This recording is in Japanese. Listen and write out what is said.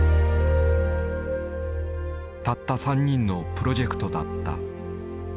たった３人のプロジェクトだった。